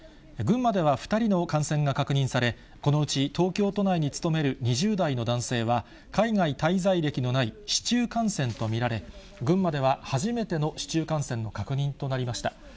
群馬では２人の感染が確認され、このうち東京都内に勤める２０代の男性は、海外滞在歴のない市中感染と見られ、群馬では初めての市中感染の確認となりました。